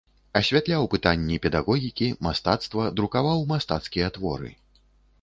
Асвятляў пытанні педагогікі, мастацтва, друкаваў мастацкія творы.